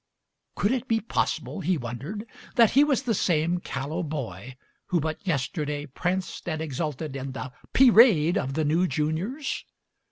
Could it be possible, he wondered, that he was the same callow boy who but yesterday pranced and exulted in the "pee rade" of the new juniors!